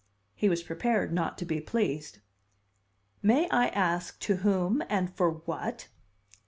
He was prepared not to be pleased. "May I ask to whom and for what?"